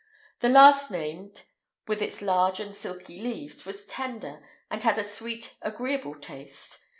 [IX 176] The last named, with its large and silky leaves, was tender, and had a sweet, agreeable taste.